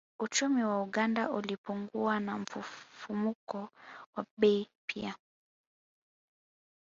Uchumi wa Uganda ulipungua na mfumuko wa bei pia